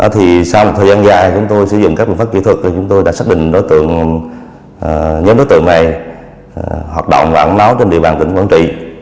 thì sau một thời gian dài chúng tôi sử dụng các biện pháp kỹ thuật thì chúng tôi đã xác định đối tượng nhóm đối tượng này hoạt động và ẩn náu trên địa bàn tỉnh quảng trị